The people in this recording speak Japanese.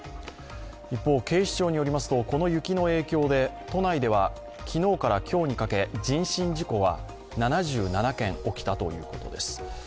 一方、警視庁によりますと、この雪の影響で都内では昨日から今日にかけ、人身事故は７７件起きたということです。